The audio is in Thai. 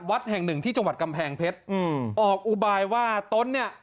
วัดแห่งหนึ่งที่จังหวัดกำแพงเพชรอืมออกอุบายว่าตนเนี่ย